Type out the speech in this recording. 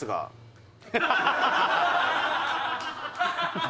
ハハハハ！